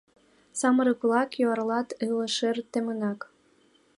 Самырык-влак юарлат ыле шер темынак.